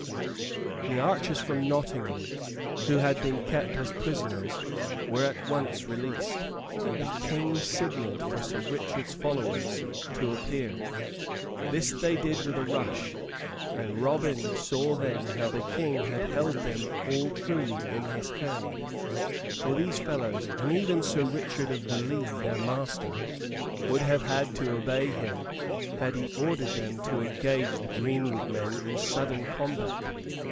The archers from Nottingham who had been held as prisoners were at once released, and the King signalled for Sir Richard's followers to appear. This they did with a rush, and Robin saw then how the King had held them all truly in his hand, for these fellows, and even Sir Richard of the Lee, their master, would have had to obey him had he ordered them to engage the greenwood men in sudden combat.